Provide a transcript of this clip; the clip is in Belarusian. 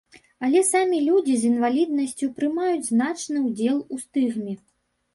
Але самі людзі з інваліднасцю прымаюць значны ўдзел у стыгме.